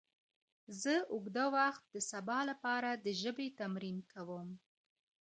زه اوږده وخت د سبا لپاره د ژبي تمرين کوم!.